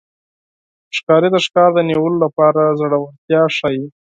ښکاري د ښکار د نیولو لپاره زړورتیا ښيي.